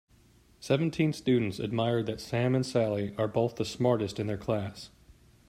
Seventeen students admired that Sam and Sally are both the smartest in their class.